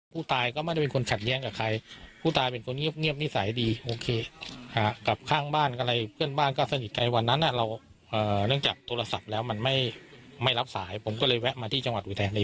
ผู้ตายก็ไม่ได้เป็นคนขัดแย้งกับใครผู้ตายเป็นคนเงียบนิสัยดีโอเคกลับข้างบ้านอะไรเพื่อนบ้านก็สนิทกันวันนั้นเราเนื่องจากโทรศัพท์แล้วมันไม่รับสายผมก็เลยแวะมาที่จังหวัดอุทัยเลย